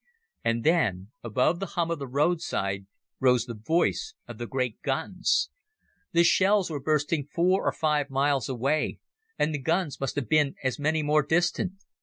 And then, above the hum of the roadside, rose the voice of the great guns. The shells were bursting four or five miles away, and the guns must have been as many more distant.